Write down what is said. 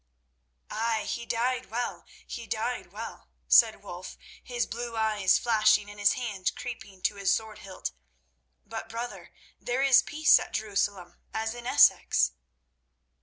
"Aye, he died well—he died well," said Wulf, his blue eyes flashing and his hand creeping to his sword hilt. "But, brother, there is peace at Jerusalem, as in Essex."